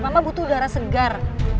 mama butuh udara segar